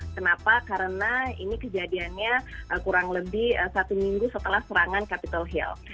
kenapa karena ini kejadiannya kurang lebih satu minggu setelah serangan capitol hill